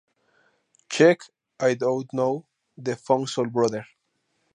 Check it out now, the funk soul brother".